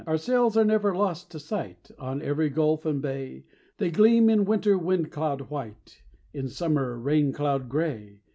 Our sails are never lost to sight; On every gulf and bay They gleam, in winter wind cloud white, In summer rain cloud gray.